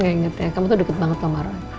enggak ingat ya kamu tuh deket banget sama roy